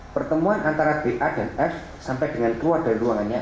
pertemuan antara ba dan f sampai dengan keluar dari ruangannya